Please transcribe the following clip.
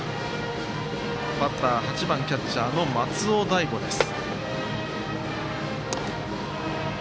バッター８番キャッチャーの松尾大悟です。